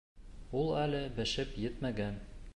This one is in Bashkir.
Ул әле... бешеп етмәгән!